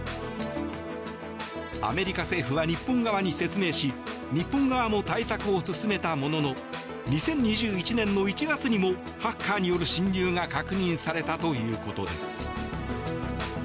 アメリカ政府は日本側に説明し日本側も対策を進めたものの２０２１年の１月にもハッカーによる侵入が確認されたということです。